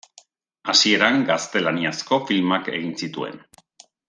Hasieran, gaztelaniazko filmak egin zituen.